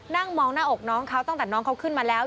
นั่งมองหน้าอกน้องเขาตั้งแต่น้องเขาขึ้นมาแล้ว